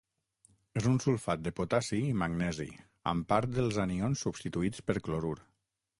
És un sulfat de potassi i magnesi, amb part dels anions substituïts per clorur.